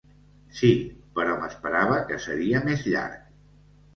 Sí, però m’esperava que seria més llarg.